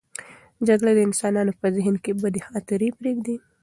جګړه د انسانانو په ذهن کې بدې خاطرې پرېږدي.